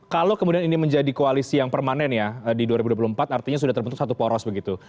kalau kemudian ini menjadi koalisi yang permanen ya di dua ribu dua puluh empat artinya sudah terbentuk satu poros begitu